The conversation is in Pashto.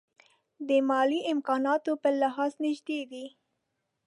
د مالي امکاناتو په لحاظ نژدې دي.